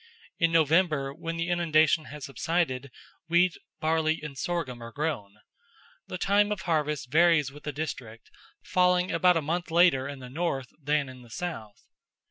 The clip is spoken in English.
In November, when the inundation has subsided, wheat, barley, and sorghum are sown. The time of harvest varies with the district, falling about a month later in the north than in the south.